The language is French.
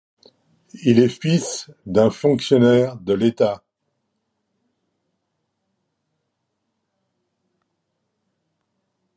Il est fils d'un fonctionnaire de l'État.